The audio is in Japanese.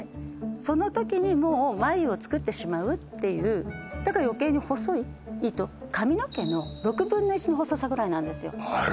その時にもう繭を作ってしまうっていうだからよけいに細い糸髪の毛の６分の１の細さぐらいあら！